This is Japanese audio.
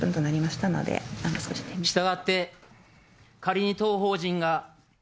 したがって、仮に当法人が。